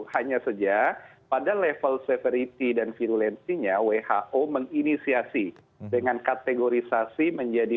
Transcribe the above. hanya saja pada level severity dan virulensinya who menginisiasi dengan kategorisasi menjadi